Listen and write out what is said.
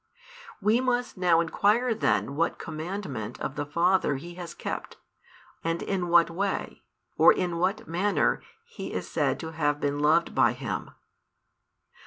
We must now inquire then what commandment of the Father He has kept, and in what way, or in what manner He is said to have been loved by Him.